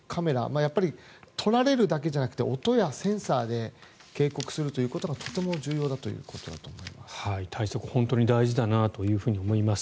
やっぱり撮られるだけじゃなくて音やセンサーで警告するということがとても重要だということだと思います。